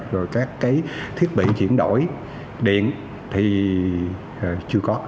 rồi các cái thiết bị chuyển đổi điện thì chưa có